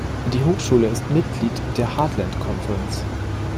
Die Hochschule ist Mitglied der "Heartland Conference".